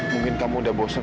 mungkin kamu udah bosan